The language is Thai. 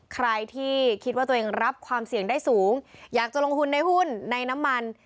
ใครที่คิดว่าตัวเองรับความเสี่ยงได้สูงอยากจะลงทุนในหุ้นในน้ำมัน